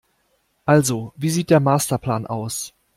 Also, wie sieht der Masterplan aus?